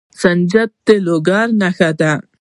سنجد د لوګر نښه ده.